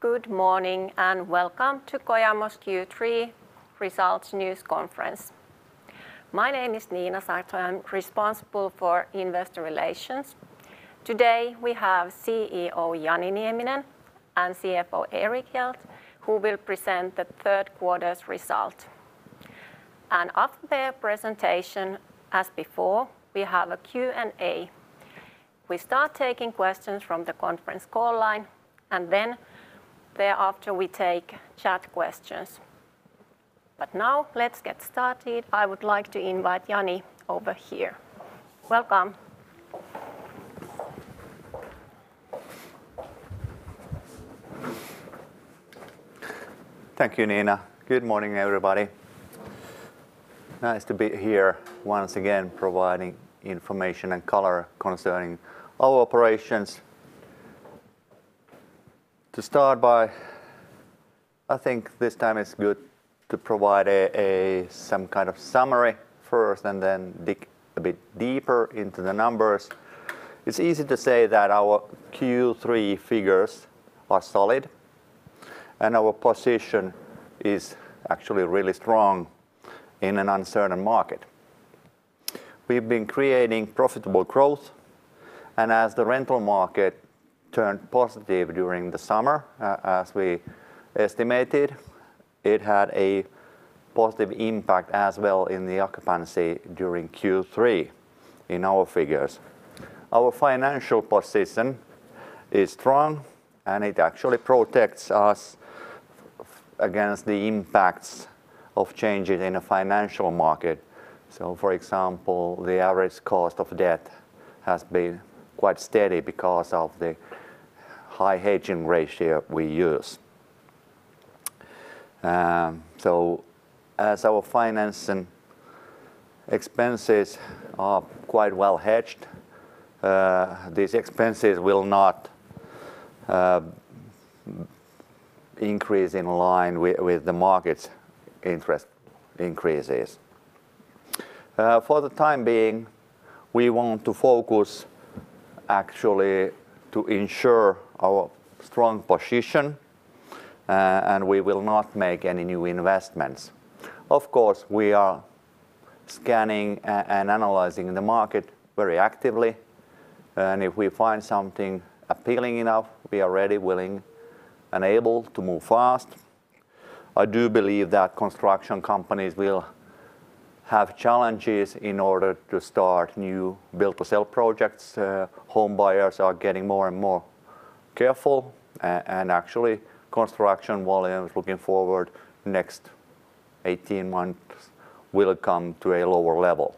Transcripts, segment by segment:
Good morning, and welcome to Kojamo's Q3 Results News Conference. My name is Niina Saarto. I'm responsible for investor relations. Today, we have CEO Jani Nieminen and CFO Erik Hjelt, who will present the Q3 result. After their presentation, as before, we have a Q&A. We start taking questions from the conference call line, and then thereafter, we take chat questions. Now let's get started. I would like to invite Jani over here. Welcome. Thank you, Niina. Good morning, everybody. Good morning. Nice to be here once again providing information and color concerning our operations. To start by, I think this time it's good to provide some kind of summary first and then dig a bit deeper into the numbers. It's easy to say that our Q3 figures are solid, and our position is actually really strong in an uncertain market. We've been creating profitable growth, and as the rental market turned positive during the summer, as we estimated, it had a positive impact as well in the occupancy during Q3 in our figures. Our financial position is strong, and it actually protects us against the impacts of changes in the financial market. For example, the average cost of debt has been quite steady because of the high hedging ratio we use. As our finance and expenses are quite well hedged, these expenses will not increase in line with the market's interest increases. For the time being, we want to focus actually to ensure our strong position, and we will not make any new investments. Of course, we are scanning and analyzing the market very actively, and if we find something appealing enough, we are ready, willing, and able to move fast. I do believe that construction companies will have challenges in order to start new build-to-sell projects. Home buyers are getting more and more careful. Actually, construction volumes looking forward next 18 months will come to a lower level.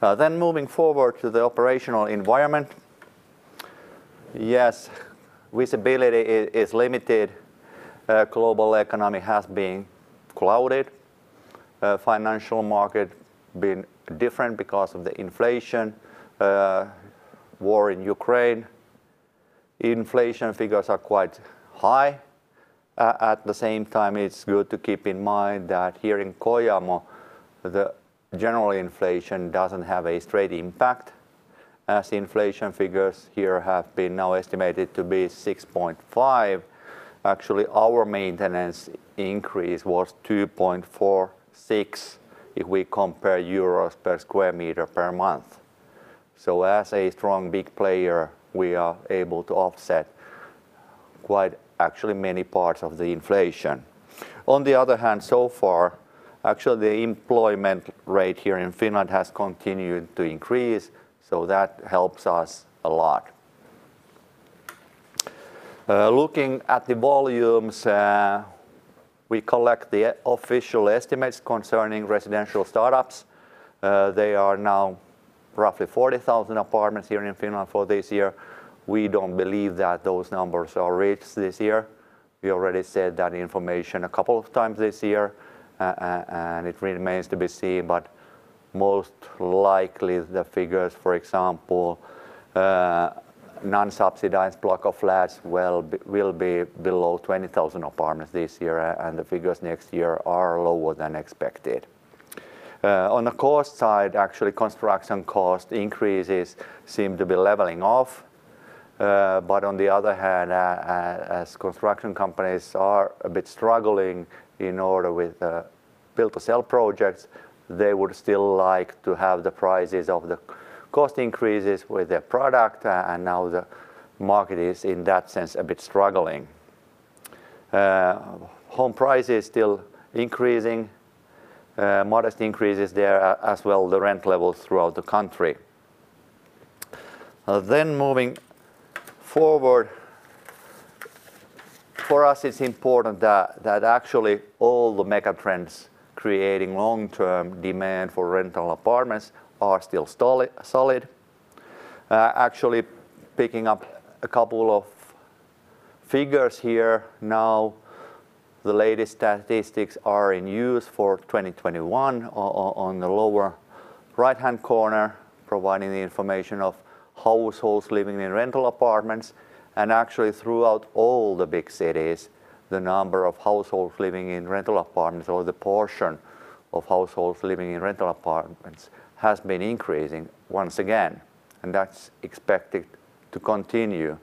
Moving forward to the operational environment. Yes, visibility is limited. Global economy has been clouded. Financial market been different because of the inflation, war in Ukraine. Inflation figures are quite high. At the same time, it's good to keep in mind that here in Kojamo, the general inflation doesn't have a straight impact. As inflation figures here have been now estimated to be 6.5%, actually our maintenance increase was 2.46 EUR per square meter per month. As a strong, big player, we are able to offset quite actually many parts of the inflation. On the other hand, so far, actually the employment rate here in Finland has continued to increase, so that helps us a lot. Looking at the volumes, we collect the official estimates concerning residential start-ups. They are now roughly 40,000 apartments here in Finland for this year. We don't believe that those numbers are reached this year. We already said that information a couple of times this year, and it remains to be seen, but most likely the figures, for example, non-subsidized block of flats will be below 20,000 apartments this year, and the figures next year are lower than expected. On the cost side, actually construction cost increases seem to be leveling off. On the other hand, as construction companies are a bit struggling in other words with build-to-sell projects, they would still like to have the prices of the cost increases with their product, and now the market is in that sense a bit struggling. Home prices still increasing. Modest increases there, as well as the rent levels throughout the country. Moving forward, for us it's important that actually all the mega trends creating long-term demand for rental apartments are still solid. Actually picking up a couple of figures here now, the latest statistics are in use for 2021 on the lower right-hand corner, providing the information of households living in rental apartments. Actually throughout all the big cities, the number of households living in rental apartments or the portion of households living in rental apartments has been increasing once again, and that's expected to continue.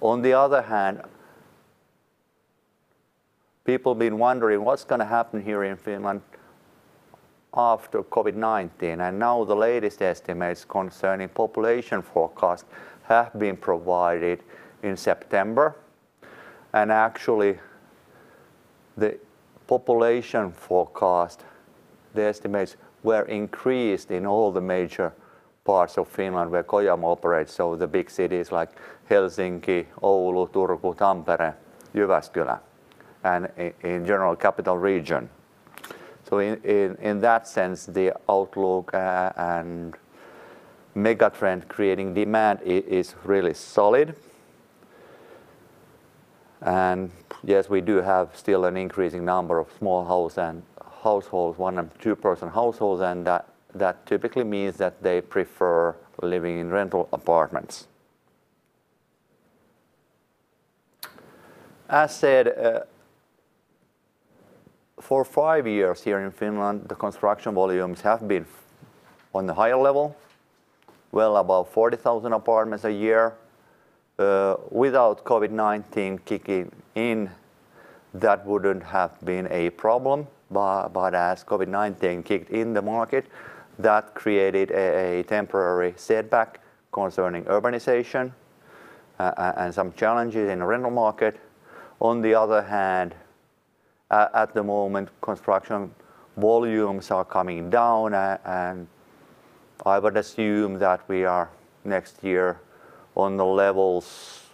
On the other hand, people been wondering what's gonna happen here in Finland after COVID-19, and now the latest estimates concerning population forecast have been provided in September. Actually, the population forecast, the estimates were increased in all the major parts of Finland where Kojamo operates, so the big cities like Helsinki, Oulu, Turku, Tampere, Jyväskylä, and in general capital region. In that sense, the outlook and mega trend creating demand is really solid. Yes, we do have still an increasing number of small households, one- and two-person households, and that typically means that they prefer living in rental apartments. As said, for five years here in Finland, the construction volumes have been on the higher level, well above 40,000 apartments a year. Without COVID-19 kicking in, that wouldn't have been a problem, but as COVID-19 kicked in the market, that created a temporary setback concerning urbanization and some challenges in the rental market. On the other hand, at the moment, construction volumes are coming down and I would assume that we are next year on the levels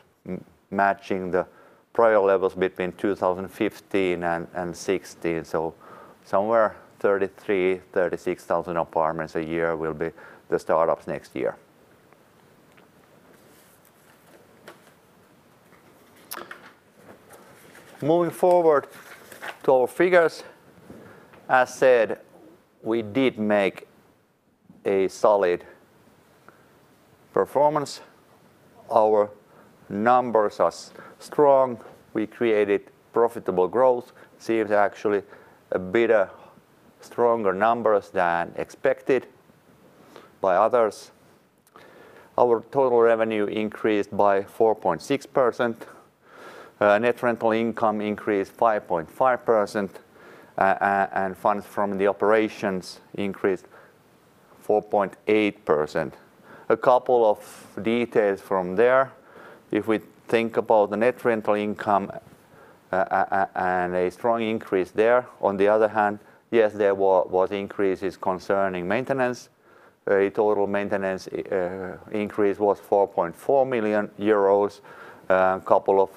matching the prior levels between 2015 and 2016. Somewhere 33,000-36,000 apartments a year will be the start of next year. Moving forward to our figures. As said, we did make a solid performance. Our numbers are strong. We created profitable growth, seems actually a bit stronger numbers than expected by others. Our total revenue increased by 4.6%. Net rental income increased 5.5%, and funds from operations increased 4.8%. A couple of details from there. If we think about the net rental income and a strong increase there, on the other hand, yes, there was increases concerning maintenance. Total maintenance increase was 4.4 million euros. Couple of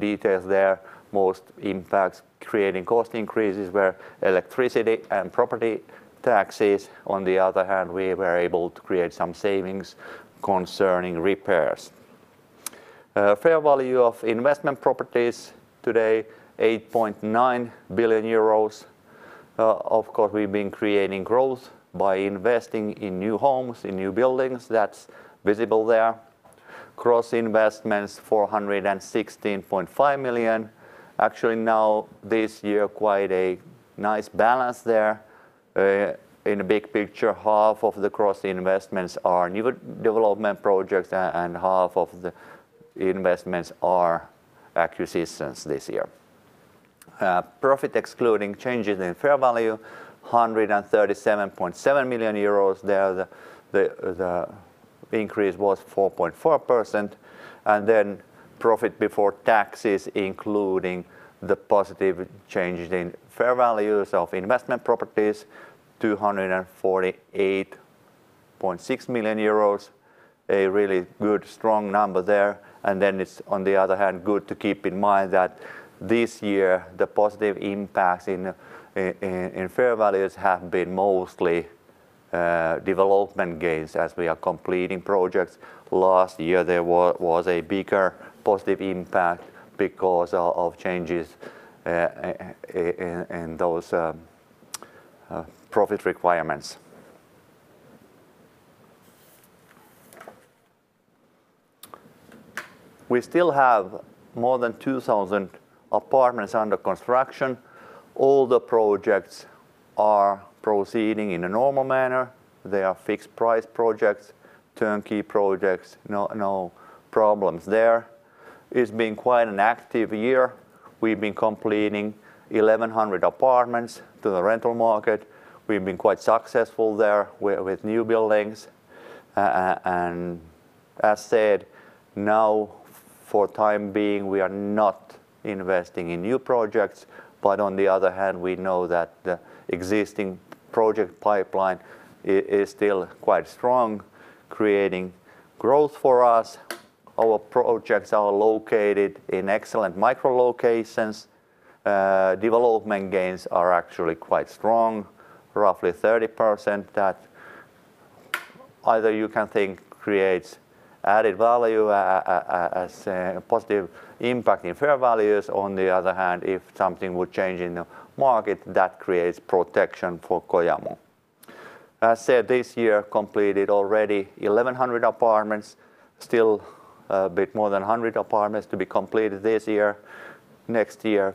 details there. Most impacts creating cost increases were electricity and property taxes. On the other hand, we were able to create some savings concerning repairs. Fair value of investment properties today, 8.9 billion euros. Of course, we've been creating growth by investing in new homes, in new buildings. That's visible there. Gross investments, 416.5 million. Actually now this year, quite a nice balance there. In the big picture, half of the gross investments are new development projects and half of the investments are acquisitions this year. Profit excluding changes in fair value, 137.7 million euros. There the increase was 4.4%. Profit before taxes, including the positive changes in fair values of investment properties, 248.6 million euros. A really good strong number there. It's on the other hand good to keep in mind that this year the positive impacts in fair values have been mostly development gains as we are completing projects. Last year there was a bigger positive impact because of changes in those profit requirements. We still have more than 2,000 apartments under construction. All the projects are proceeding in a normal manner. They are fixed price projects, turnkey projects, no problems there. It's been quite an active year. We've been completing 1,100 apartments to the rental market. We've been quite successful there with new buildings. As said, now for the time being, we are not investing in new projects, but on the other hand, we know that the existing project pipeline is still quite strong, creating growth for us. Our projects are located in excellent micro locations. Development gains are actually quite strong, roughly 30%. That either you can think creates added value as a positive impact in fair values. On the other hand, if something would change in the market, that creates protection for Kojamo. As said, this year completed already 1,100 apartments. Still a bit more than 100 apartments to be completed this year. Next year,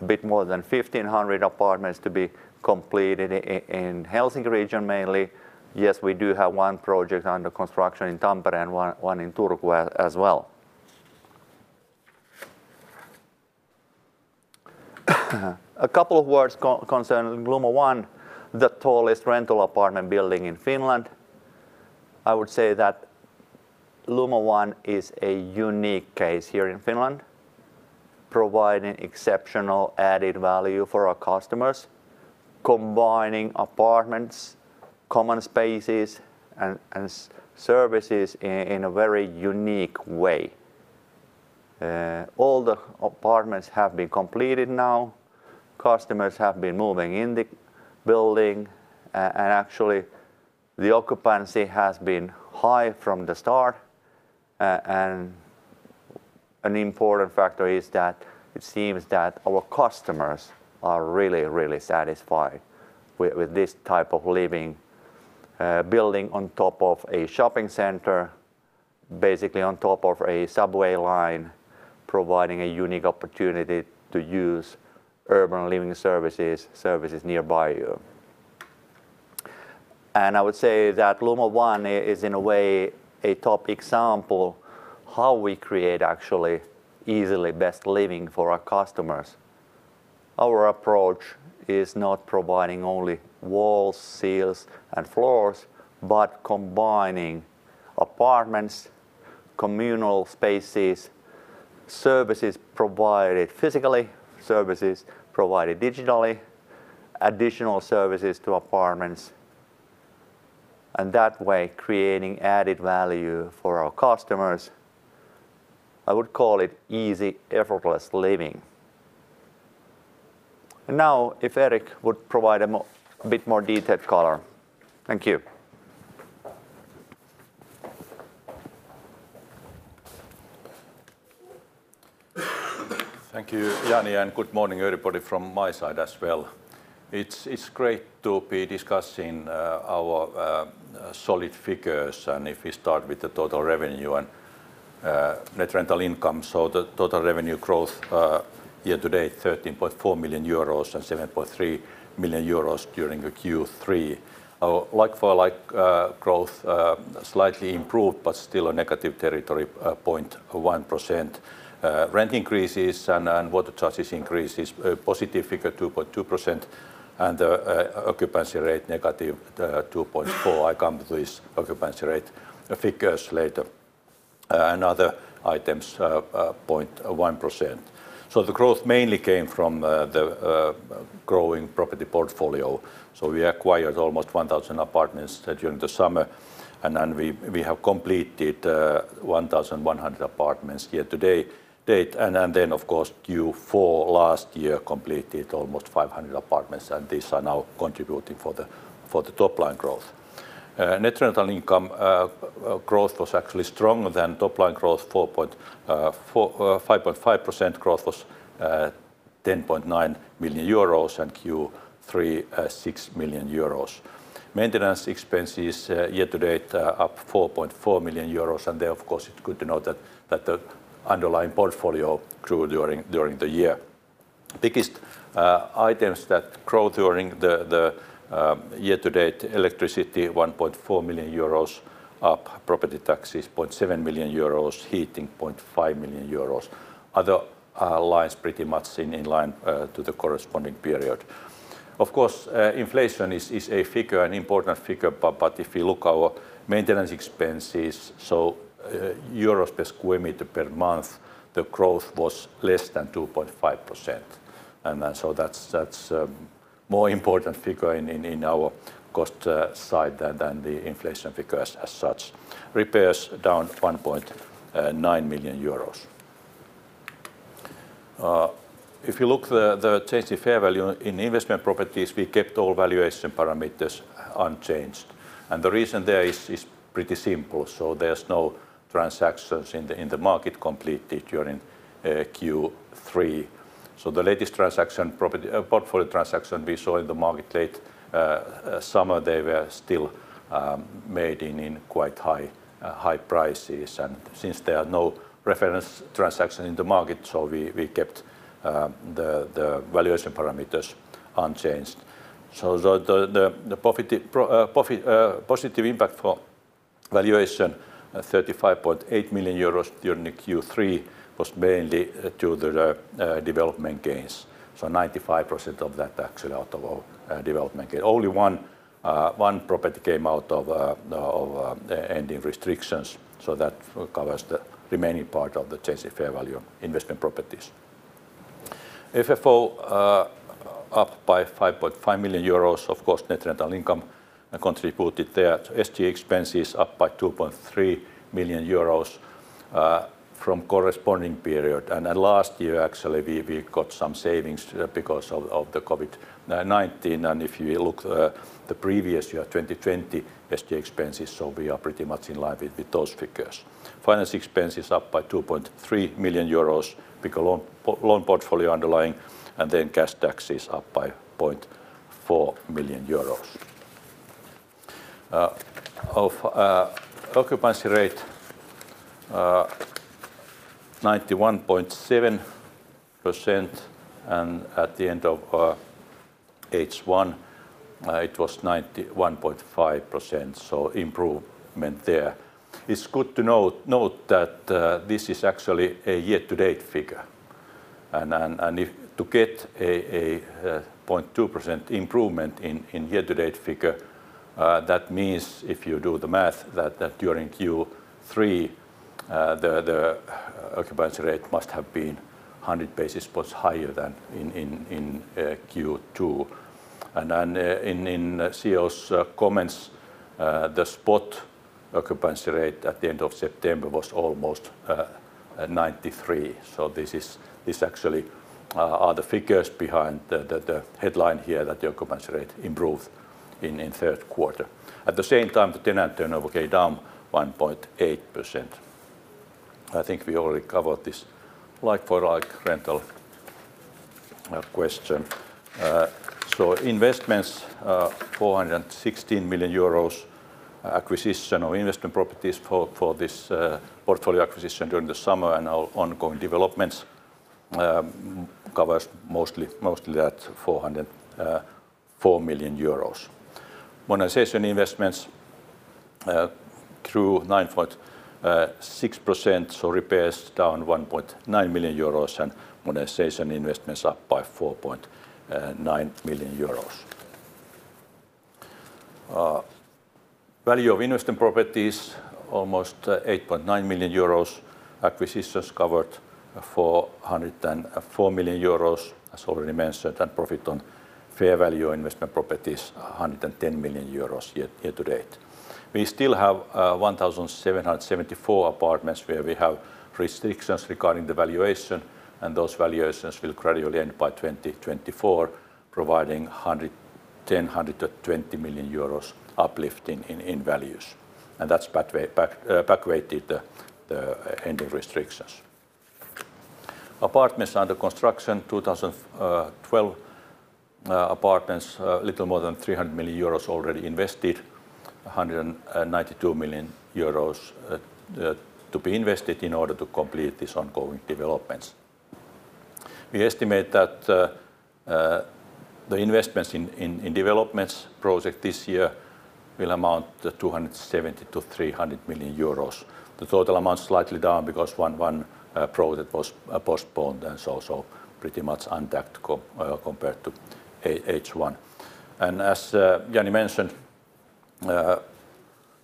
a bit more than 1,500 apartments to be completed in Helsinki region mainly. Yes, we do have one project under construction in Tampere and one in Turku as well. A couple of words concern Lumo One, the tallest rental apartment building in Finland. I would say that Lumo One is a unique case here in Finland, providing exceptional added value for our customers, combining apartments, common spaces, and services in a very unique way. All the apartments have been completed now. Customers have been moving in the building. Actually, the occupancy has been high from the start. An important factor is that it seems that our customers are really satisfied with this type of living, building on top of a shopping center, basically on top of a subway line, providing a unique opportunity to use urban living services nearby you. I would say that Lumo One is, in a way, a top example how we create actually easily best living for our customers. Our approach is not providing only walls, seals, and floors, but combining apartments, communal spaces, services provided physically, services provided digitally, additional services to apartments, and that way, creating added value for our customers. I would call it easy, effortless living. Now, if Erik would provide a bit more detailed color. Thank you. Thank you, Jani, and good morning everybody from my side as well. It's great to be discussing our solid figures, and if we start with the total revenue and net rental income. The total revenue growth year to date, 13.4 million euros, and 7.3 million euros during the Q3. Our like-for-like growth slightly improved, but still a negative territory, -0.1%. Rent increases and water charges increases, positive figure, 2.2%. Occupancy rate negative, -2.4%. I come to these occupancy rate figures later. And other items, 0.1%. The growth mainly came from the growing property portfolio. We acquired almost 1,000 apartments during the summer, and then we have completed 1,100 apartments year to date. Of course, Q4 last year completed almost 500 apartments, and these are now contributing to the top-line growth. Net rental income growth was actually stronger than top-line growth. 5.5% growth was 10.9 million euros, and Q3 six million euros. Maintenance expenses year to date up 4.4 million euros, and there, of course, it's good to know that the underlying portfolio grew during the year. Biggest items that grew during the year to date, electricity 1.4 million euros up, property taxes 0.7 million euros up, heating 0.5 million euros up. Other lies pretty much in line to the corresponding period. Of course, inflation is a figure, an important figure, but if you look our maintenance expenses, euros per square meter per month, the growth was less than 2.5%. That's a more important figure in our cost side than the inflation figure as such. Repairs down 1.9 million euros. If you look the change in fair value in investment properties, we kept all valuation parameters unchanged. The reason there is pretty simple. There's no transactions in the market completed during Q3. The latest portfolio transaction we saw in the market late summer, they were still made in quite high prices. Since there are no reference transactions in the market, so we kept the positive impact for valuation 35.8 million euros during Q3 was mainly due to the development gains. 95% of that actually out of our development gain. Only one property came out of ending restrictions. That covers the remaining part of the change in fair value investment properties. FFO up by 5.5 million euros, of course, net rental income contributed there. SG&A expenses up by 2.3 million euros from corresponding period. Last year, actually, we got some savings because of the COVID-19. If you look the previous year, 2020 SG&A expenses, so we are pretty much in line with those figures. Finance expenses up by 2.3 million euros, bigger loan portfolio underlying, and then cash taxes up by 0.4 million euros. Occupancy rate 91.7% and at the end of H1 it was 91.5%, so improvement there. It's good to note that this is actually a year-to-date figure. To get a 0.2% improvement in year-to-date figure, that means if you do the math that during Q3 the occupancy rate must have been 100 basis points higher than in Q2. In the CEO's comments, the spot occupancy rate at the end of September was almost 93%. This actually are the figures behind the headline here that the occupancy rate improved in Q3. At the same time, the tenant turnover came down 1.8%. I think we already covered this like-for-like rental question. Investments 416 million euros. Acquisition of investment properties for this portfolio acquisition during the summer and our ongoing developments covers mostly that 404 million euros. Modernization investments through 9.6%, so repairs down 1.9 million euros and modernization investments up by 4.9 million euros. Value of investment properties almost 8.9 billion euros. Acquisitions covered 404 million euros, as already mentioned, and profit on fair value investment properties, 110 million euros year to date. We still have 1,774 apartments where we have restrictions regarding the valuation, and those valuations will gradually end by 2024, providing 10-20 million euros uplift in values. That's backweighted the ending restrictions. Apartments under construction, 2,012 apartments, a little more than 300 million euros already invested. 192 million euros to be invested in order to complete these ongoing developments. We estimate that the investments in development projects this year will amount to 270-300 million euros. The total amount is slightly down because one project was postponed and is also pretty much untracked compared to H1. As Jani mentioned, for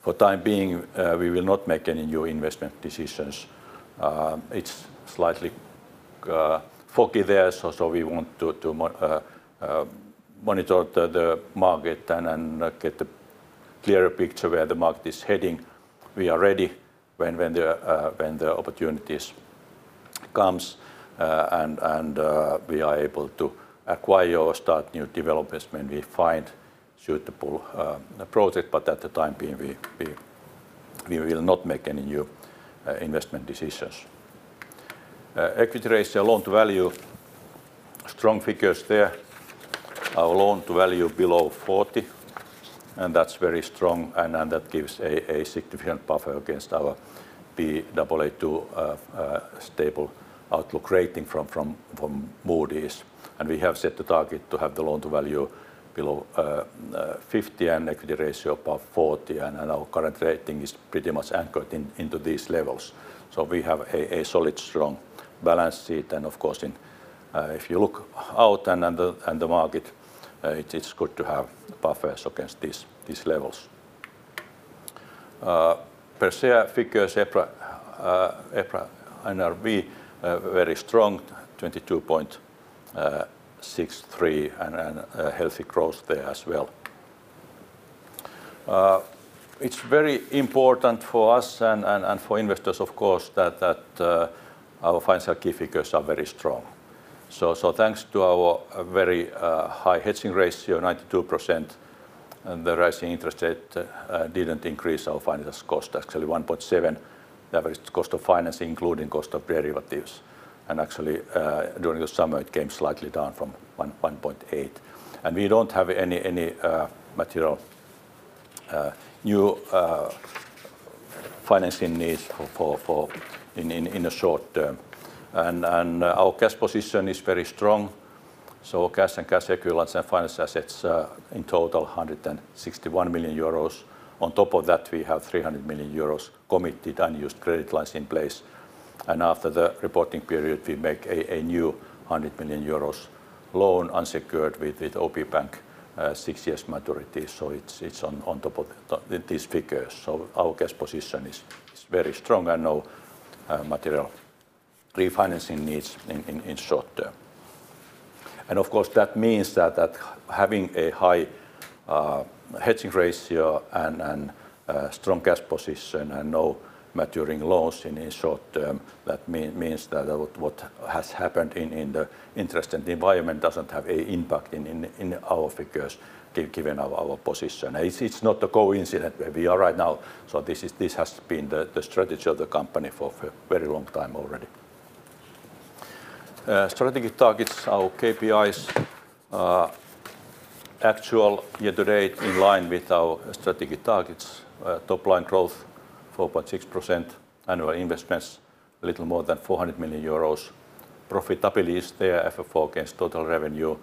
the time being, we will not make any new investment decisions. It's slightly foggy there, so we want to monitor the market and then get a clearer picture where the market is heading. We are ready when the opportunities comes and we are able to acquire or start new developments when we find suitable project. For the time being, we will not make any new investment decisions. Equity ratio, loan to value, strong figures there. Our loan to value below 40, and that's very strong and that gives a significant buffer against our Baa2 stable outlook rating from Moody's. We have set the target to have the loan to value below 50 and equity ratio above 40, and our current rating is pretty much anchored into these levels. We have a solid, strong balance sheet and of course if you look out and the market, it is good to have buffers against these levels. Per share figures, EPRA NRV very strong, 22.63, and a healthy growth there as well. It's very important for us and for investors of course that our financial key figures are very strong. Thanks to our very high hedging ratio, 92%, and the rising interest rate didn't increase our financial cost. Actually 1.7%, the average cost of financing, including cost of derivatives. Actually, during the summer, it came slightly down from 1.8%. We don't have any material new financing needs in the short term. Our cash position is very strong. Our cash and cash equivalents and financial assets in total 161 million euros. On top of that, we have 300 million euros committed unused credit lines in place. After the reporting period, we make a new 100 million euros loan unsecured with OP Corporate Bank, six years maturity. It's on top of these figures. Our cash position is very strong and no material refinancing needs in short term. Of course, that means that having a high hedging ratio and strong cash position and no maturing loans in the short term, that means that what has happened in the interest rate environment doesn't have any impact in our figures given our position. It's not a coincidence where we are right now. This has been the strategy of the company for a very long time already. Strategic targets, our KPIs, actual year to date in line with our strategic targets. Top line growth 4.6% annual investments a little more than 400 million euros. Profitability is there, FFO against total revenue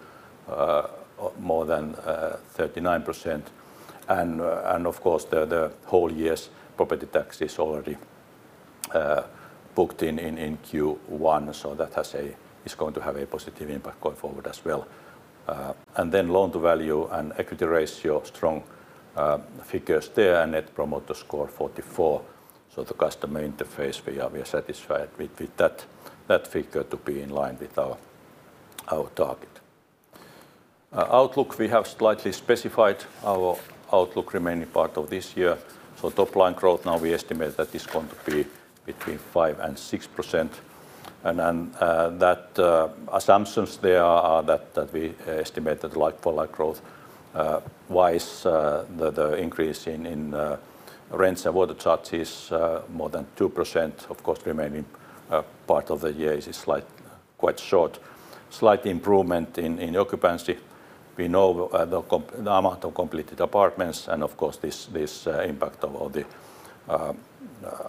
more than 39%. Of course, the whole year's property tax is already booked in Q1, so that is going to have a positive impact going forward as well. Loan-to-value and equity ratio, strong figures there. Net Promoter Score 44, so the customer interface, we are satisfied with that figure to be in line with our target. Outlook, we have slightly specified our outlook remaining part of this year. Top line growth now we estimate that is going to be between 5% and 6%. Assumptions there are that we estimate that like-for-like growth wise, the increase in rents and water charges more than 2%, of course remaining part of the year is quite short. Slight improvement in occupancy. We know the amount of completed apartments and of course this impact of all the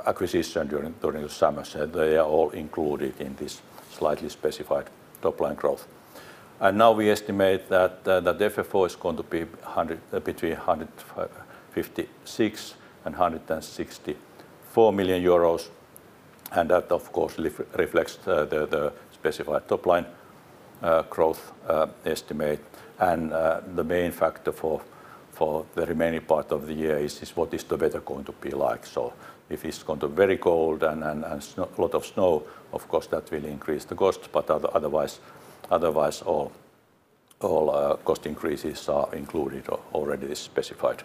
acquisition during the summer. They are all included in this slightly specified top line growth. Now we estimate that the FFO is going to be between 156 million euros and 164 million euros, and that of course reflects the specified top line growth estimate. The main factor for the remaining part of the year is what the weather is going to be like. If it is going to be very cold and a lot of snow, of course that will increase the cost. Otherwise all cost increases are included or already specified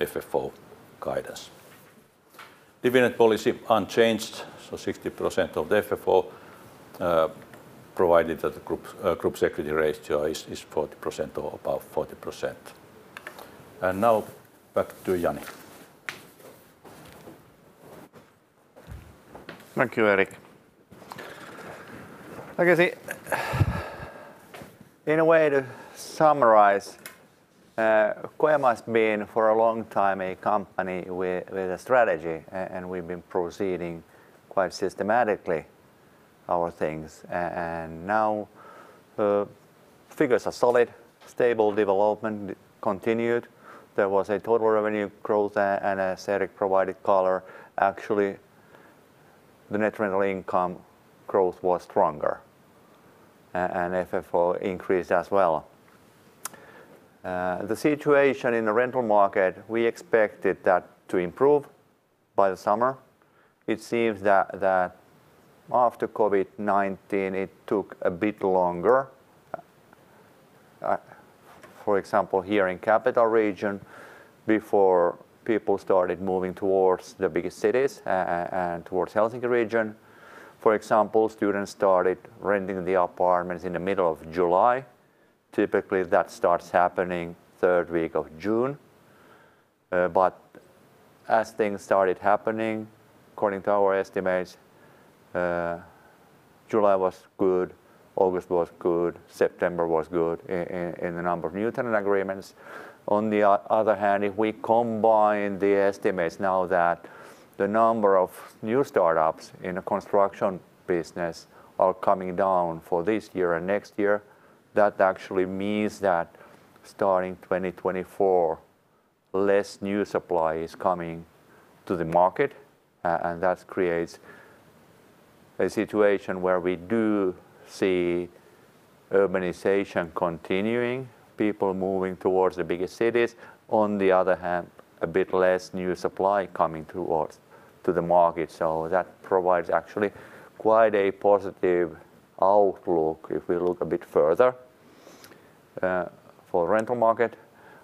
FFO guidance. Dividend policy unchanged, so 60% of the FFO, provided that the group's equity ratio is 40% or above 40%. Now back to Jani. Thank you, Erik. Like I say, in a way to summarize, Kojamo has been for a long time a company with a strategy and we've been proceeding quite systematically our things. Now, figures are solid. Stable development continued. There was a total revenue growth and as Erik provided color, actually the net rental income growth was stronger. FFO increased as well. The situation in the rental market, we expected that to improve by the summer. It seems that after COVID-19 it took a bit longer. For example, here in capital region, before people started moving towards the biggest cities and towards Helsinki region. For example, students started renting the apartments in the middle of July. Typically, that starts happening third week of June. As things started happening, according to our estimates, July was good, August was good, September was good in the number of new tenant agreements. On the other hand, if we combine the estimates now that the number of new startups in the construction business are coming down for this year and next year, that actually means that starting 2024, less new supply is coming to the market. That creates a situation where we do see urbanization continuing, people moving towards the biggest cities, on the other hand, a bit less new supply coming to the market. That provides actually quite a positive outlook if we look a bit further for rental market.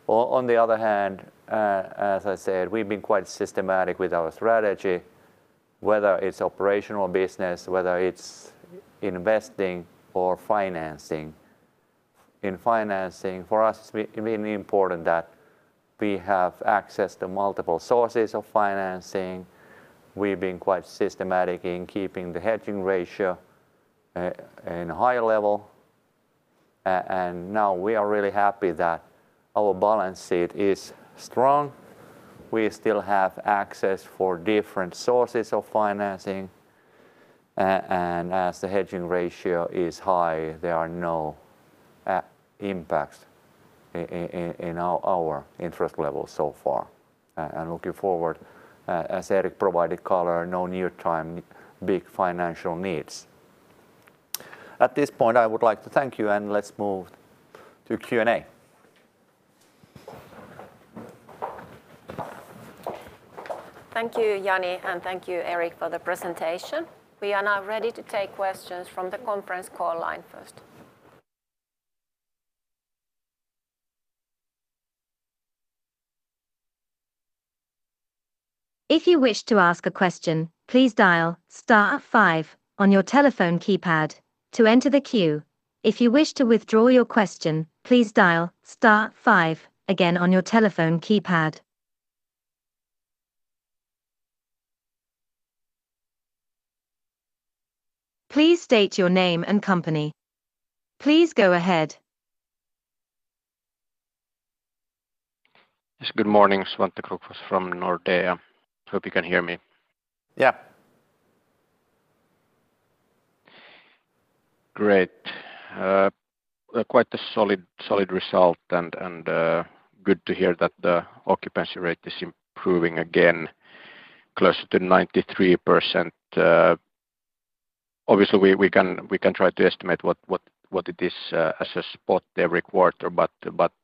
On the other hand, as I said, we've been quite systematic with our strategy, whether it's operational business, whether it's investing or financing. In financing, for us it's really important that we have access to multiple sources of financing. We've been quite systematic in keeping the hedging ratio at a higher level. Now we are really happy that our balance sheet is strong. We still have access to different sources of financing. As the hedging ratio is high, there are no impacts in our interest levels so far. Looking forward, as Erik provided color, no near-term big financial needs. At this point, I would like to thank you and let's move to Q&A. Thank you, Jani, and thank you, Erik, for the presentation. We are now ready to take questions from the conference call line first. If you wish to ask a question, please dial star five on your telephone keypad to enter the queue. If you wish to withdraw your question, please dial star five again on your telephone keypad. Please state your name and company. Please go ahead. Yes. Good morning. Svante Krokfors from Nordea. Hope you can hear me. Yeah. Great. Quite a solid result and good to hear that the occupancy rate is improving again closer to 93%. Obviously, we can try to estimate what it is as a spot every quarter, but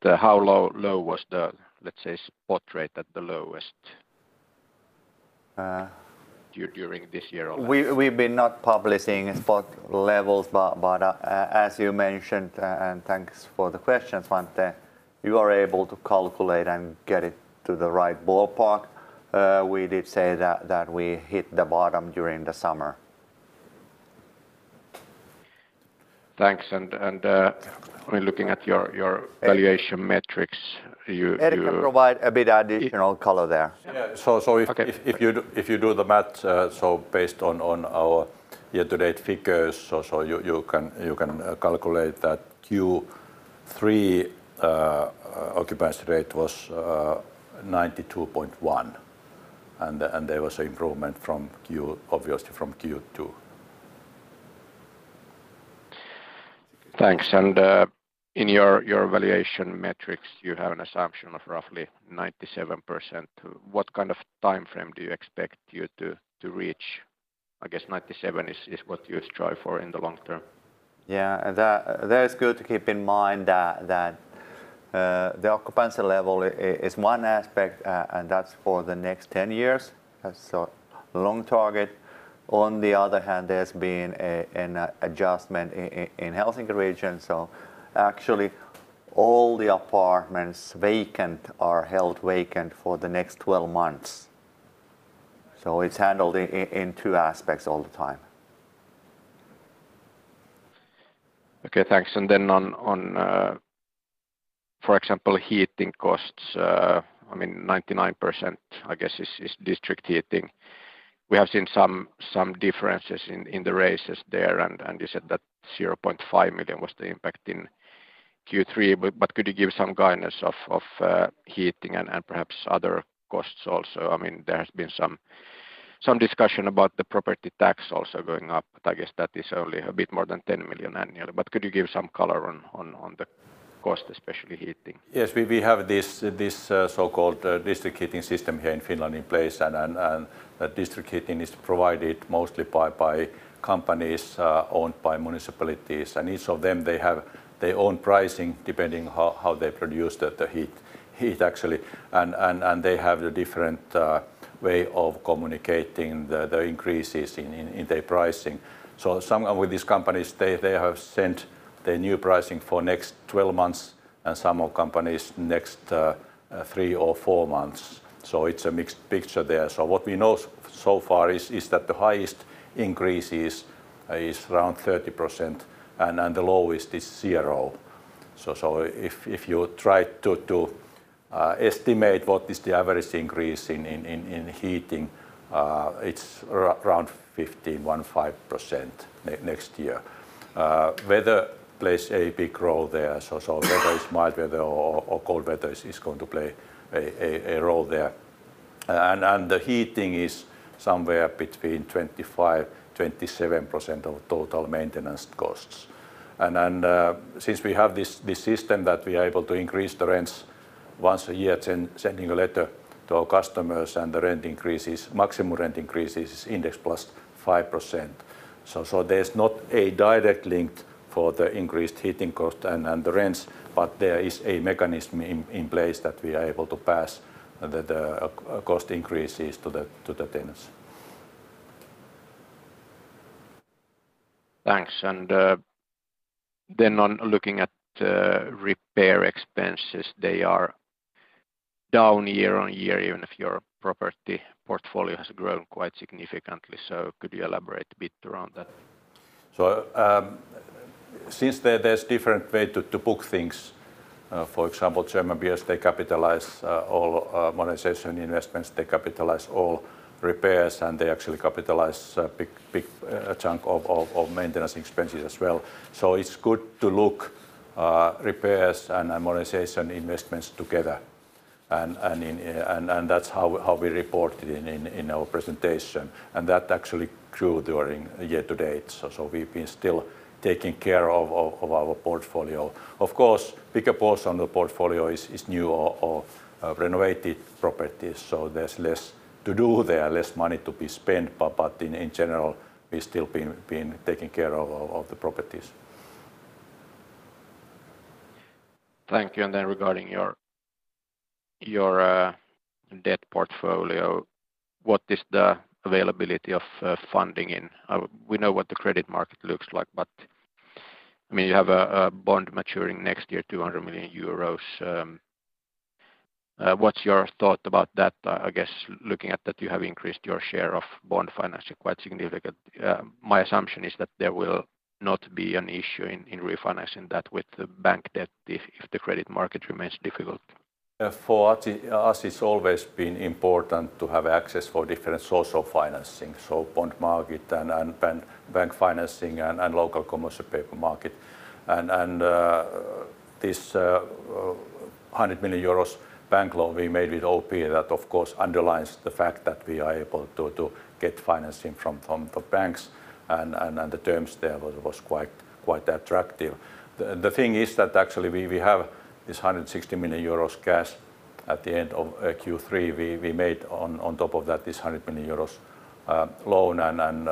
how low was the, let's say, spot rate at the lowest during this year or last? We've been not publishing spot levels, but as you mentioned, and thanks for the question, Svante, you are able to calculate and get it to the right ballpark. We did say that we hit the bottom during the summer. Thanks. When looking at your valuation metrics, you Erik can provide a bit additional color there. Yeah. Okay If you do the math, so based on our year-to-date figures, so you can calculate that Q3 occupancy rate was 92.1% and there was improvement from Q, obviously from Q2. Thanks. In your valuation metrics, you have an assumption of roughly 97%. What kind of timeframe do you expect you to reach? I guess 97% is what you strive for in the long term. Yeah. That is good to keep in mind that the occupancy level is one aspect, and that's for the next 10 years. That's our long target. On the other hand, there's been an adjustment in Helsinki region, so actually all the apartments vacant are held vacant for the next 12 months. It's handled in two aspects all the time. Okay. Thanks. On, for example, heating costs, I mean, 99% I guess is district heating. We have seen some differences in the rates there and you said that 0.5 million was the impact in Q3, but could you give some guidance of heating and perhaps other costs also? I mean, there has been some discussion about the property tax also going up, but I guess that is only a bit more than 10 million annually. Could you give some color on the cost, especially heating? Yes. We have this so-called district heating system here in Finland in place and district heating is provided mostly by companies owned by municipalities. Each of them they have their own pricing depending how they produce the heat actually. They have the different way of communicating the increases in their pricing. Some of these companies they have sent their new pricing for next 12 months, and some of companies next 3 or 4 months. It's a mixed picture there. What we know so far is that the highest increase is around 30% and the lowest is 0. If you try to estimate what is the average increase in heating, it's around 15% next year. Weather plays a big role there. Whether it's mild weather or cold weather is going to play a role there. The heating is somewhere between 25%-27% of total maintenance costs. Since we have this system that we are able to increase the rents once a year, sending a letter to our customers and the rent increases, maximum rent increases index plus 5%. There's not a direct link for the increased heating cost and the rents, but there is a mechanism in place that we are able to pass the cost increases to the tenants. Thanks. On looking at repair expenses, they are down year-over-year even if your property portfolio has grown quite significantly. Could you elaborate a bit around that? Since there's different way to book things, for example, German peers, they capitalize all modernization investments. They capitalize all repairs, and they actually capitalize a big chunk of maintenance expenses as well. It's good to look repairs and modernization investments together. That's how we report it in our presentation. That's actually true year-to-date. We've been still taking care of our portfolio. Of course, bigger part of the portfolio is new or renovated properties. There's less to do there, less money to be spent. In general, we're still taking care of the properties. Thank you. Regarding your debt portfolio, what is the availability of funding in? We know what the credit market looks like, but I mean, you have a bond maturing next year, 200 million euros. What's your thought about that? I guess looking at that you have increased your share of bond financing quite significant. My assumption is that there will not be an issue in refinancing that with the bank debt if the credit market remains difficult. For us, it's always been important to have access to different sources of financing. Bond market and bank financing and this 100 million euros bank loan we made with OP that of course underlies the fact that we are able to get financing from the banks and the terms there was quite attractive. The thing is that actually we have this 160 million euros cash at the end of Q3. We made on top of that this 100 million euros loan and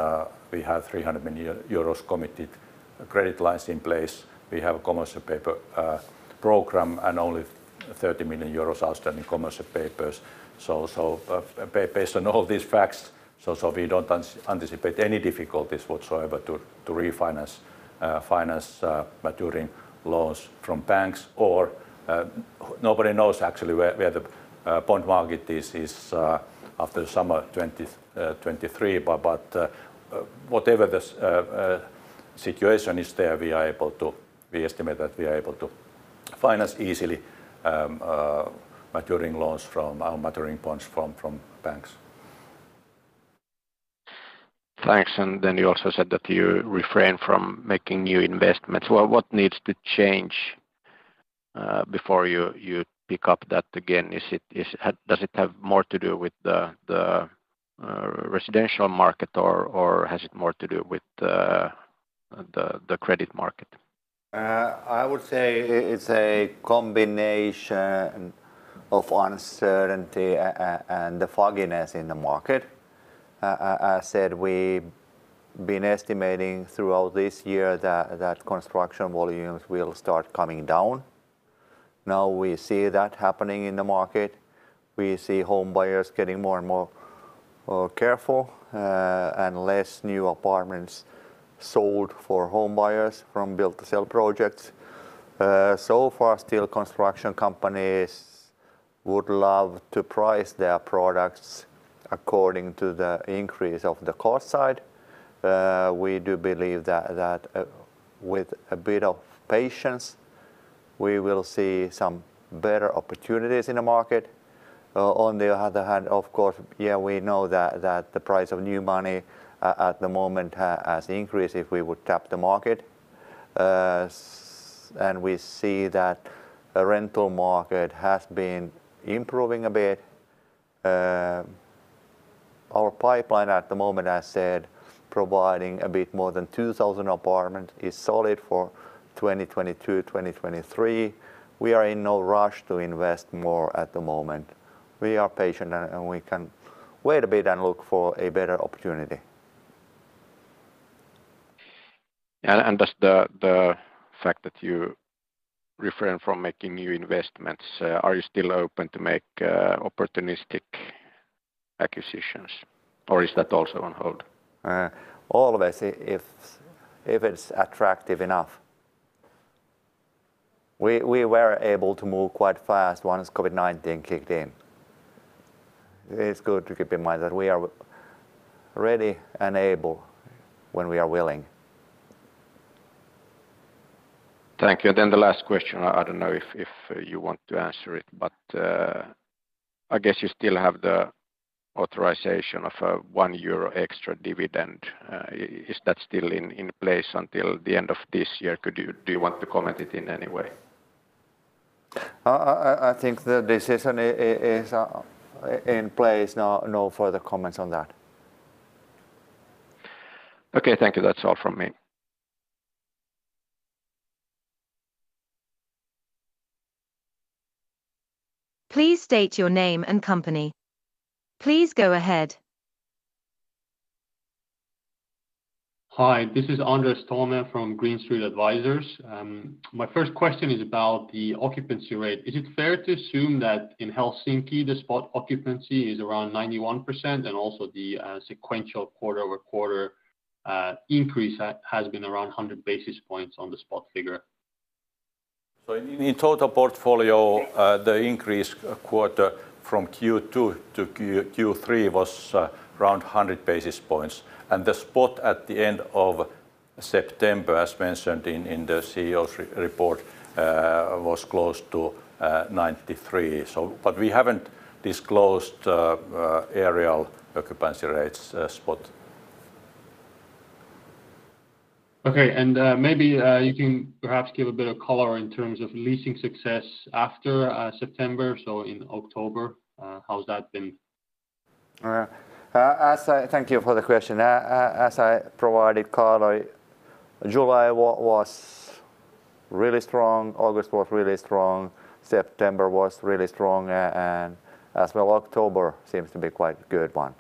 we have 300 million euros committed credit lines in place. We have a commercial paper program and only 30 million euros outstanding commercial papers. Based on all these facts, we don't anticipate any difficulties whatsoever to refinance or finance maturing loans from banks. Nobody knows actually where the bond market is after summer 2023. Whatever this situation is there, we estimate that we are able to finance easily our maturing bonds from banks. Thanks. You also said that you refrain from making new investments. Well, what needs to change before you pick up that again? Is it? Does it have more to do with the residential market or has it more to do with the credit market? I would say it's a combination of uncertainty and the fogginess in the market. As said, we've been estimating throughout this year that construction volumes will start coming down. Now we see that happening in the market. We see home buyers getting more and more careful, and less new apartments sold for home buyers from build-to-sell projects. So far still construction companies would love to price their products according to the increase of the cost side. We do believe that with a bit of patience, we will see some better opportunities in the market. On the other hand, of course, yeah, we know that the price of new money at the moment has increased if we would tap the market. We see that the rental market has been improving a bit. Our pipeline at the moment, as said, providing a bit more than 2,000 apartments is solid for 2022, 2023. We are in no rush to invest more at the moment. We are patient and we can wait a bit and look for a better opportunity. Does the fact that you refrain from making new investments, are you still open to make opportunistic acquisitions or is that also on hold? Always if it's attractive enough. We were able to move quite fast once COVID-19 kicked in. It's good to keep in mind that we are ready and able when we are willing. Thank you. The last question, I don't know if you want to answer it, but I guess you still have the authorization of a 1 euro extra dividend. Is that still in place until the end of this year? Do you want to comment it in any way? I think the decision is in place. No further comments on that. Okay. Thank you. That's all from me. Please state your name and company. Please go ahead. Hi, this is Andres Toome from Green Street Advisors. My first question is about the occupancy rate. Is it fair to assume that in Helsinki the spot occupancy is around 91% and also the sequential quarter-over-quarter increase has been around 100 basis points on the spot figure? In total portfolio. Yes The increase quarter-over-quarter from Q2 to Q3 was around 100 basis points. The spot at the end of September, as mentioned in the CEO's report, was close to 93%. But we haven't disclosed overall occupancy rates spot. Okay. Maybe you can perhaps give a bit of color in terms of leasing success after September. In October, how's that been? Thank you for the question. As I provided Carlo, July was really strong, August was really strong, September was really strong, and as well, October seems to be quite good one.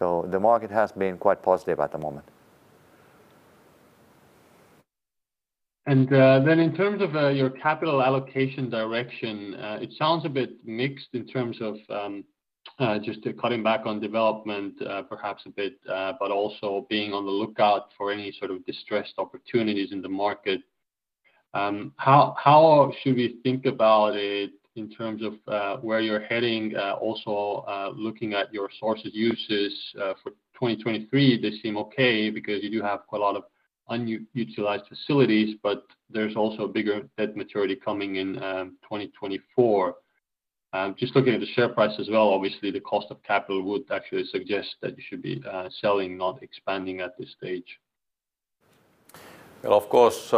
The market has been quite positive at the moment. In terms of your capital allocation direction, it sounds a bit mixed in terms of just cutting back on development, perhaps a bit, but also being on the lookout for any sort of distressed opportunities in the market. How should we think about it in terms of where you're heading, also looking at your sources and uses for 2023? They seem okay because you do have quite a lot of unutilized facilities, but there's also a bigger debt maturity coming in 2024. Just looking at the share price as well, obviously the cost of capital would actually suggest that you should be selling, not expanding at this stage. Well, of course,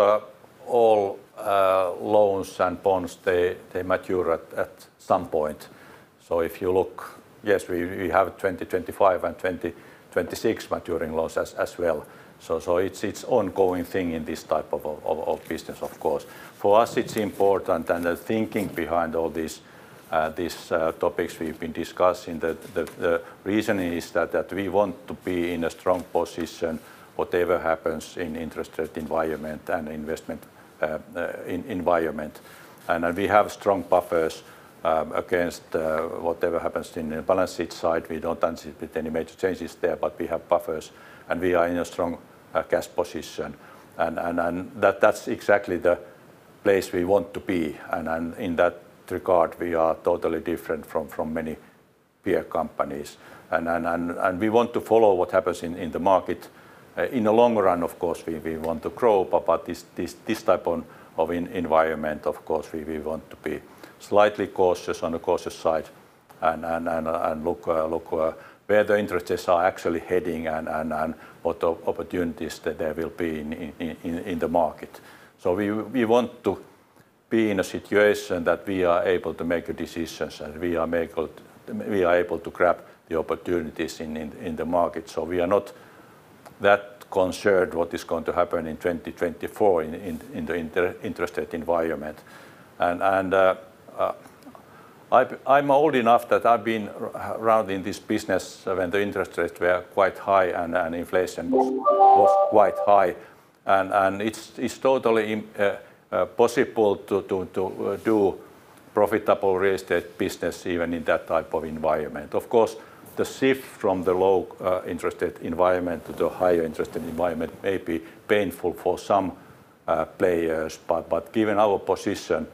all loans and bonds, they mature at some point. If you look. Yes, we have 2025 and 2026 maturing loans as well. It's an ongoing thing in this type of business, of course. For us it's important and the thinking behind all these topics we've been discussing, the reasoning is that we want to be in a strong position whatever happens in interest rate environment and investment environment. We have strong buffers against whatever happens in the balance sheet side. We don't anticipate any major changes there, but we have buffers, and we are in a strong cash position. That's exactly the place we want to be. In that regard we are totally different from many peer companies. We want to follow what happens in the market. In the long run, of course, we want to grow. This type of environment, of course, we want to be slightly cautious on the cautious side and look where the interest rates are actually heading and what opportunities there will be in the market. We want to be in a situation that we are able to make decisions and we are able to grab the opportunities in the market. We are not that concerned what is going to happen in 2024 in the interest rate environment. I'm old enough that I've been around in this business when the interest rates were quite high and inflation was quite high and it's totally possible to do profitable real estate business even in that type of environment. Of course, the shift from the low interest rate environment to the higher interest rate environment may be painful for some players, but given our position.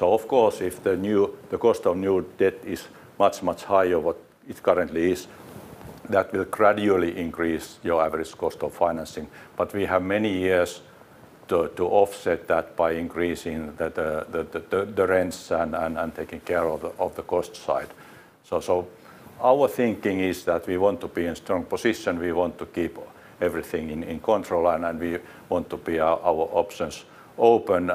Of course, if the cost of new debt is much higher than what it currently is, that will gradually increase your average cost of financing. We have many years to offset that by increasing the rents and taking care of the cost side. Our thinking is that we want to be in a strong position. We want to keep everything in control and we want to keep our options open.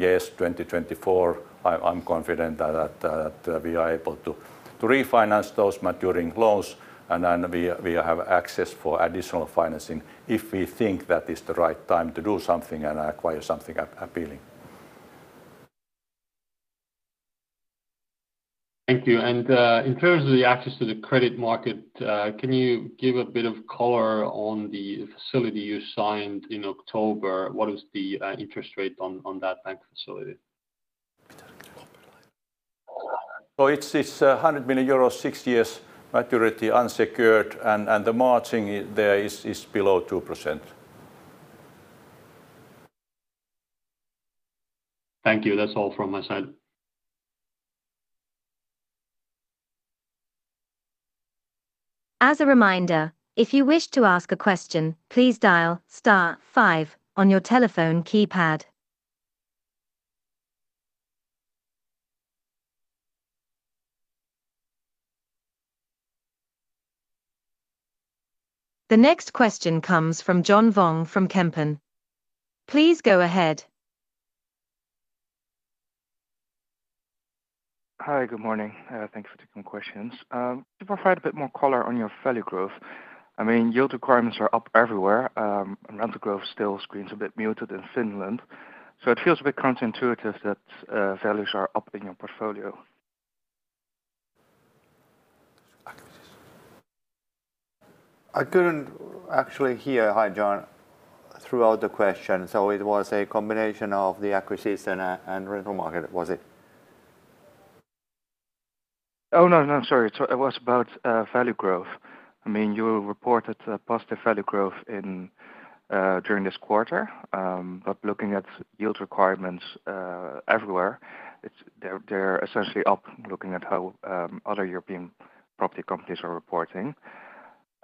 Yes, 2024, I'm confident that we are able to refinance those maturing loans and we have access to additional financing if we think that is the right time to do something and acquire something appealing. Thank you. In terms of the access to the credit market, can you give a bit of color on the facility you signed in October? What is the interest rate on that bank facility? It's this 100 million euros, 6 years maturity unsecured, and the margin there is below 2%. Thank you. That's all from my side. As a reminder, if you wish to ask a question, please dial star five on your telephone keypad. The next question comes from Jonathan Wong from Kempen & Co. Please go ahead. Hi. Good morning. Thanks for taking questions. Could you provide a bit more color on your value growth? I mean, yield requirements are up everywhere, and rental growth still seems a bit muted in Finland. It feels a bit counterintuitive that values are up in your portfolio. Acquisitions. I couldn't actually hear, hi John, throughout the question. It was a combination of the acquisitions and rental market, was it? Oh, no, sorry. It was about value growth. I mean, you reported a positive value growth during this quarter. Looking at yield requirements everywhere, they're essentially up, looking at how other European property companies are reporting.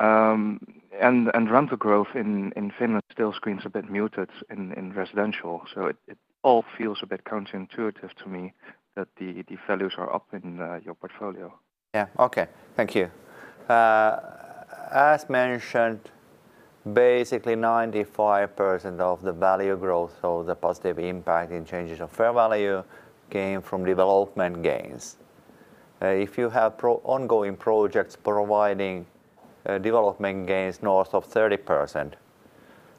Rental growth in Finland still seems a bit muted in residential. It all feels a bit counterintuitive to me that the values are up in your portfolio. Yeah. Okay. Thank you. As mentioned, basically 95% of the value growth or the positive impact in changes of fair value came from development gains. If you have ongoing projects providing development gains north of 30%,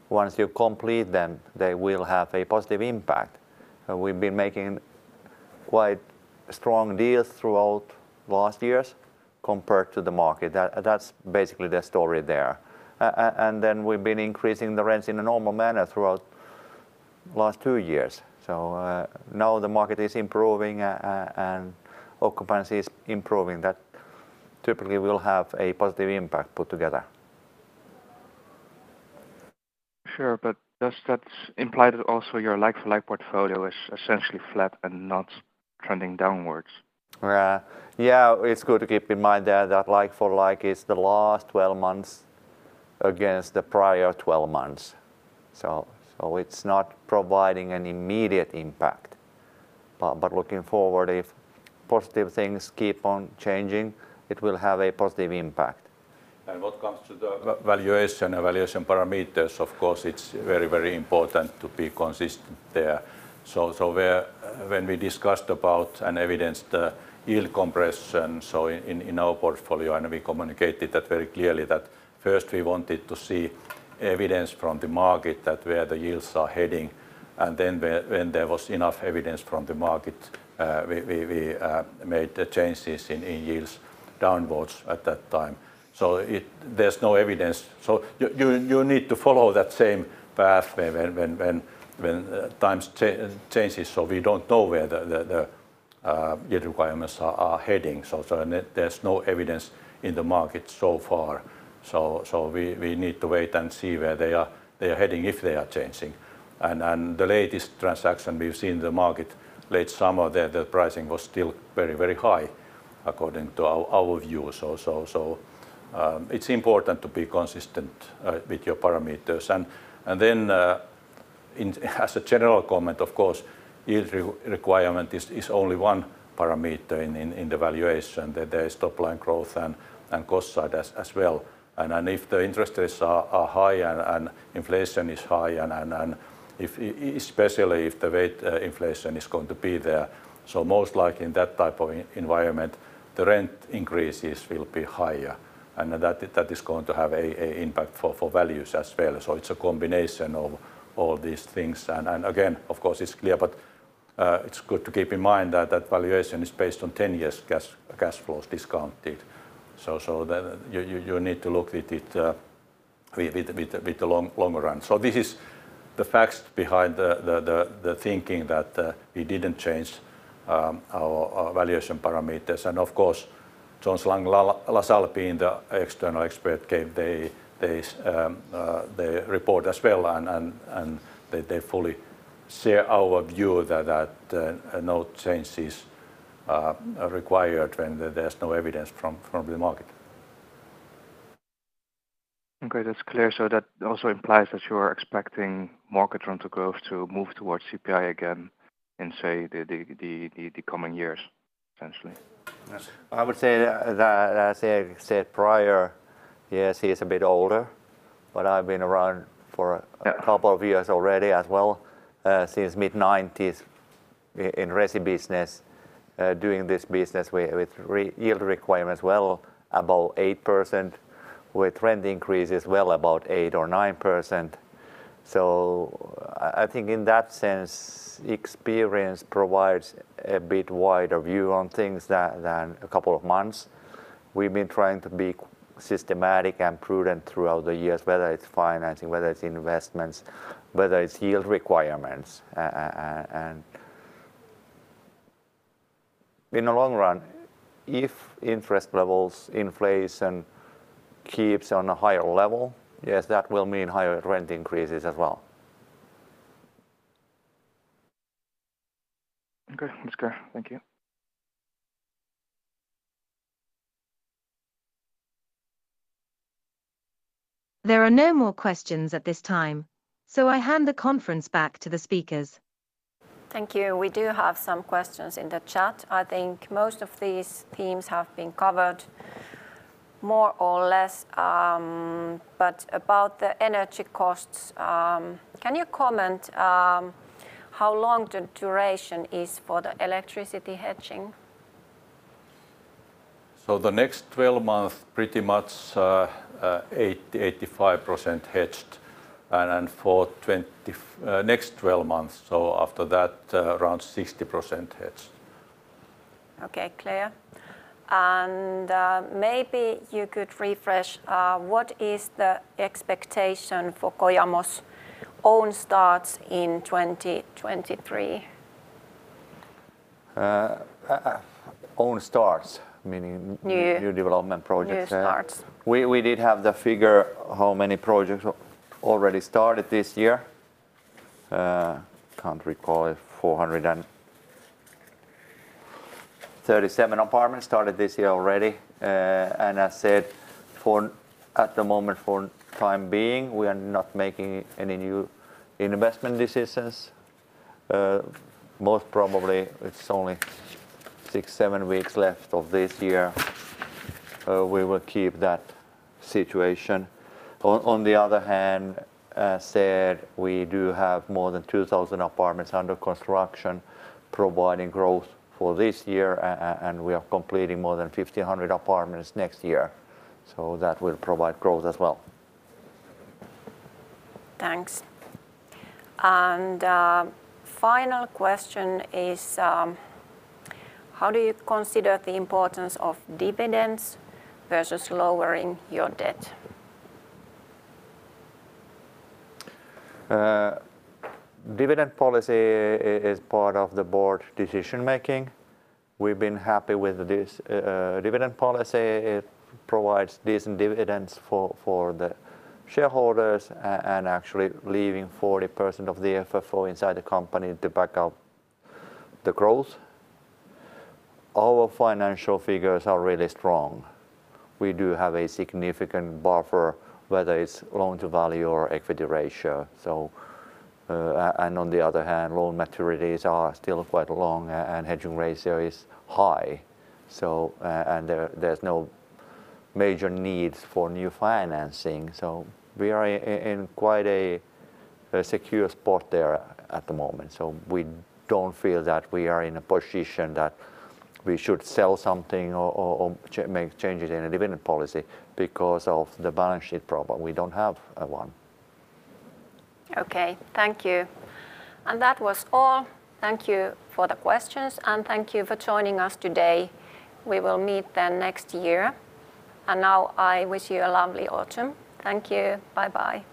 once you complete them, they will have a positive impact. We've been making quite strong deals throughout last years compared to the market. That's basically the story there. And then we've been increasing the rents in a normal manner throughout last two years. Now the market is improving and occupancy is improving. That typically will have a positive impact put together. Sure. Does that imply that also your like-for-like portfolio is essentially flat and not trending downwards? Yeah. It's good to keep in mind there that like-for-like is the last 12 months. Against the prior 12 months. It's not providing an immediate impact. Looking forward, if positive things keep on changing, it will have a positive impact. What comes to the valuation parameters, of course, it's very, very important to be consistent there. When we discussed about and evidenced the yield compression, so in our portfolio, and we communicated that very clearly that first we wanted to see evidence from the market that where the yields are heading, and then when there was enough evidence from the market, we made the changes in yields downwards at that time. There's no evidence. You need to follow that same path when times changes. We don't know where the yield requirements are heading. There's no evidence in the market so far. We need to wait and see where they are heading if they are changing. The latest transaction we've seen in the market late summer there, the pricing was still very, very high according to our view. It's important to be consistent with your parameters. As a general comment, of course, yield requirement is only one parameter in the valuation. There is top line growth and cost side as well. If the interest rates are high and inflation is high and especially if the rent inflation is going to be there, so most likely in that type of environment, the rent increases will be higher, and that is going to have an impact for values as well. It's a combination of all these things. Again, of course it's clear, but it's good to keep in mind that valuation is based on 10 years cash flows discounted. Then you need to look at it with the longer run. This is the facts behind the thinking that we didn't change our valuation parameters. Of course, Jones Lang LaSalle being the external expert gave their report as well and they fully share our view that no changes are required when there's no evidence from the market. Okay, that's clear. That also implies that you are expecting market rent to move towards CPI again in, say, the coming years essentially. Yes. I would say that as Erik said prior, yes, he is a bit older, but I've been around for a couple of years already as well, since mid-1990s in resi business, doing this business with real yield requirements well above 8%, with rent increases well above 8% or 9%. I think in that sense, experience provides a bit wider view on things than a couple of months. We've been trying to be systematic and prudent throughout the years, whether it's financing, whether it's investments, whether it's yield requirements. In the long run, if interest levels, inflation keeps on a higher level, yes, that will mean higher rent increases as well. Okay, that's clear. Thank you. There are no more questions at this time, so I hand the conference back to the speakers. Thank you. We do have some questions in the chat. I think most of these themes have been covered more or less. About the energy costs, can you comment how long the duration is for the electricity hedging? The next 12 months pretty much 80%-85% hedged, and next 12 months. After that, around 60% hedged. Okay. Clear. Maybe you could refresh what is the expectation for Kojamo's own starts in 2023? Uh, own starts meaning- New New development projects? New starts. We did have the figure how many projects already started this year. Can't recall it. 437 apartments started this year already. I said at the moment, for the time being, we are not making any new investment decisions. Most probably it's only 6-7 weeks left of this year. We will keep that situation. On the other hand, as said, we do have more than 2,000 apartments under construction providing growth for this year and we are completing more than 1,500 apartments next year. That will provide growth as well. Thanks. Final question is, how do you consider the importance of dividends versus lowering your debt? Dividend policy is part of the board decision-making. We've been happy with this dividend policy. It provides decent dividends for the shareholders and actually leaving 40% of the FFO inside the company to back up the growth. Our financial figures are really strong. We do have a significant buffer, whether it's loan to value or equity ratio. On the other hand, loan maturities are still quite long and hedging ratio is high. There's no major needs for new financing. We are in quite a secure spot there at the moment. We don't feel that we are in a position that we should sell something or make changes in a dividend policy because of the balance sheet problem. We don't have one. Okay. Thank you. That was all. Thank you for the questions, and thank you for joining us today. We will meet then next year. Now I wish you a lovely autumn. Thank you. Bye-bye.